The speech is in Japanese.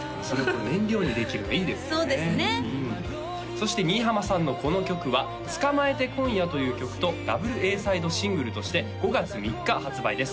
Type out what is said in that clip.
そして新浜さんのこの曲は「捕まえて、今夜。」という曲とダブルＡサイドシングルとして５月３日発売です